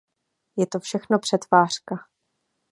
Je to všechno přetvářka.